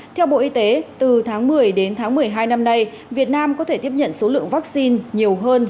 theo bộ y tế từ tháng một mươi đến tháng một mươi hai năm nay việt nam có thể tiếp nhận số lượng vaccine nhiều hơn